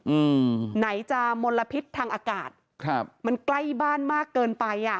อืมไหนจะมลพิษทางอากาศครับมันใกล้บ้านมากเกินไปอ่ะ